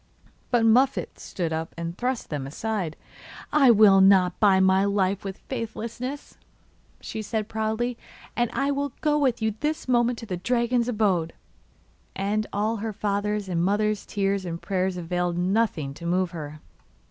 But Muffette stood up and thrust them aside. 'I will not buy my life with faithlessness,' she said proudly; 'and I will go with you this moment to the dragon's abode.' And all her father's and mother's tears and prayers availed nothing to move her.